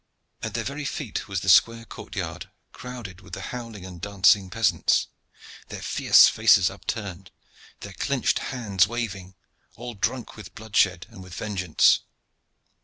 At their very feet was the square courtyard, crowded with the howling and dancing peasants, their fierce faces upturned, their clenched hands waving, all drunk with bloodshed and with vengeance.